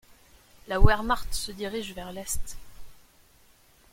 La Wehrmacht se dirige vers l'est.